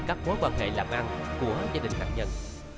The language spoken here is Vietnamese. các mối quan hệ làm ăn của gia đình nạn nhân